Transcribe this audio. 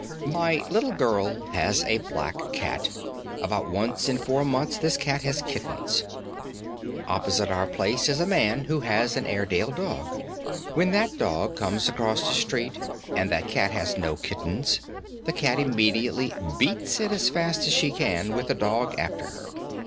My little girl has a black cat; about once in four months this cat has kittens. Opposite our place is a man who has an Airedale dog. When that dog comes across the street and that cat has no kittens, the cat immediately "beats it" as fast as she can, with the dog after her.